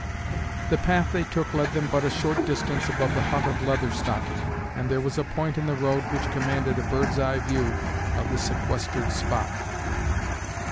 The path they took led them but a short distance above the hut of Leather Stocking, and there was a point in the road which commanded a bird's eye view of the sequestered spot.